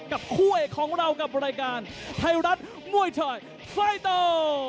กับคู่เอกของเรากับรายการไทยรัฐมวยไทยไฟเตอร์